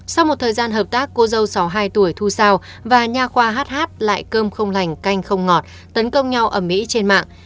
sau một thời gian hợp tác cô dâu sáu mươi hai tuổi thu sao và nha khoa hh lại cơm không lành canh không ngọt tấn công nhau ở mỹ trên mạng